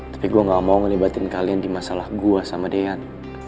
tapi gua ga mau libatin kalian di masalah gua sama deyan